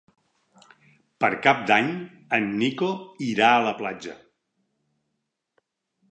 Per Cap d'Any en Nico irà a la platja.